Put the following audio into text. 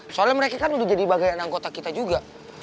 soalnya mereka kan udah jadi bagian anggota kita juga